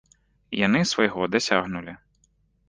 І яны свайго дасягнулі.